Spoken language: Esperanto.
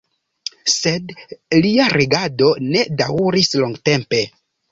Sed lia regado ne daŭris longtempe.